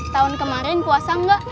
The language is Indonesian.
tahun kemarin puasa gak